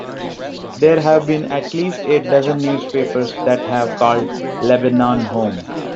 There have been at least a dozen newspapers that have called Lebanon home.